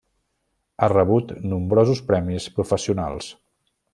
Ha rebut nombrosos premis professionals.